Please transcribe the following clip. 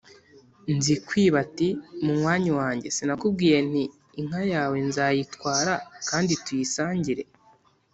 Nzikwiba ati: "Munywanyi wanjye, sinakubwiye nti inka yawe nzayitwara kandi tuyisangire!